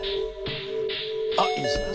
あっいいですね。